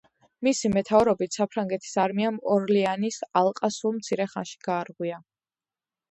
მისი მეთაურობით საფრანგეთის არმიამ ორლეანის ალყა სულ მცირე ხანში გაარღვია.